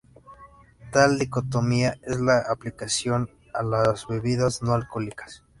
Tal dicotomía es de aplicación a las bebidas no alcohólicas.